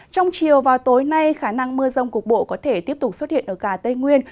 trong chiều và tối nay khả năng mưa rông cục bộ có thể tiếp tục xuất hiện ở cả tây nguyên